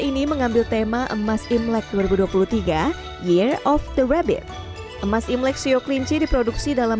ini mengambil tema emas imlek dua ribu dua puluh tiga year of the rabbit emas imlek sioklinci diproduksi dalam